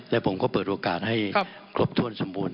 และผมก็เปิดโอกาสให้ครบถ้วนสมบูรณ